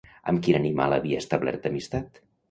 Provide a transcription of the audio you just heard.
Amb quin animal havia establert amistat?